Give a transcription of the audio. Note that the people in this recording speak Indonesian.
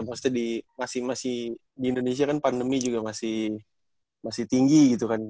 maksudnya di indonesia kan pandemi juga masih tinggi gitu kan